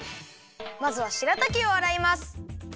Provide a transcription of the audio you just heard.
まずはしらたきをあらいます。